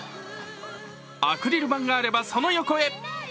アクリル板があれば、その横へ。